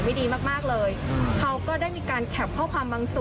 เขาก็ได้มีการแคปข้อความบางส่วนไปโพสต์หน้าเฟซบุ๊คของตัวเอง